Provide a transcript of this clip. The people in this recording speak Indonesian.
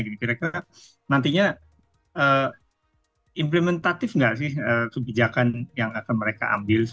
jadi mereka nantinya implementatif nggak sih kebijakan yang akan mereka ambil seperti itu